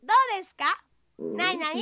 なになに？